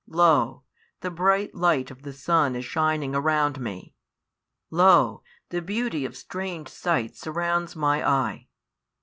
Lo! the bright light of the sun is shining around me: lo! the beauty of strange sights surrounds my eye.